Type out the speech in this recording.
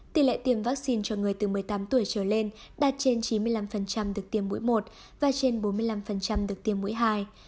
tỷ lệ tiêm vaccine cho người từ một mươi tám tuổi trở lên đạt trên chín mươi năm được tiêm mũi một và trên bốn mươi năm được tiêm mũi hai